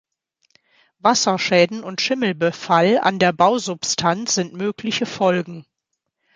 Wasserschäden und Schimmelbefall an der Bausubstanz sind mögliche Folgen.